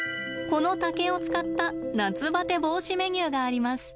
この竹を使った夏バテ防止メニューがあります。